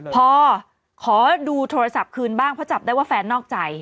พอขอดูโทรศัพท์คืนบ้างเพราะจับได้ว่าแฟนนอกใจ